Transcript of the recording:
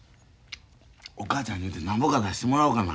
お母ちゃんに言うてなんぼか出してもらおうかな。